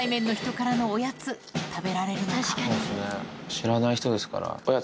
知らない人ですから。